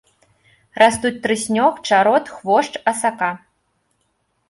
Растуць трыснёг, чарот, хвошч, асака.